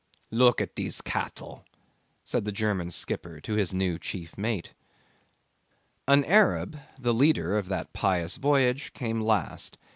'Look at dese cattle,' said the German skipper to his new chief mate. An Arab, the leader of that pious voyage, came last.